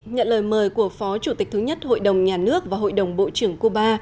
nhận lời mời của phó chủ tịch thứ nhất hội đồng nhà nước và hội đồng bộ trưởng cuba